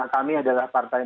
kami adalah partai